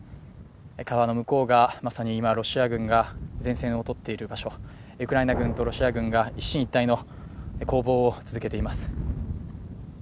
川の向こうがまさに、今、ロシア軍が前線をとっている場所、ウクライナ軍とロシア軍が一進一退の攻防を続けています。